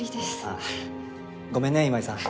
ああごめんね今井さん。